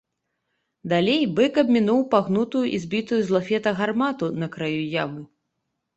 Далей бык абмінуў пагнутую і збітую з лафета гармату на краі ямы.